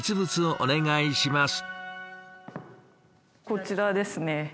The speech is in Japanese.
こちらですね。